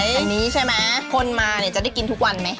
อย่างนี้ใช่ไหมคนมาเนี่ยจะได้กินทุกวันไหมค